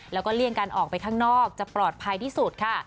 แล้วก็เลี่ยงการออกไปข้างนอกจะปลอดภัยที่สุดค่ะ